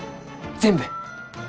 全部！？